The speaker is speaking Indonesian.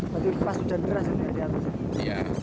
jadi pas hujan deras ini ada di atasnya